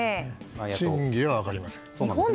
真偽は分かりません。